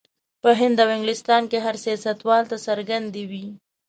په هند او انګلستان کې هر سیاستوال ته څرګندې وې.